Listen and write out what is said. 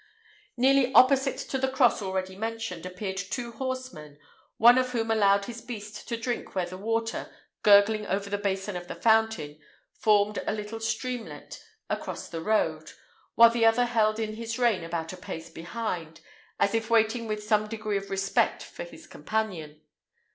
Nearly opposite to the cross already mentioned appeared two horsemen, one of whom allowed his beast to drink where the water, gurgling over the basin of the fountain, formed a little streamlet across the road, while the other held in his rein about a pace behind, as if waiting with some degree of respect for his companion.